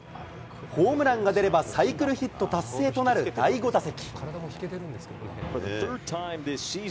ホームランが出れば、サイクルヒット達成となる第５打席。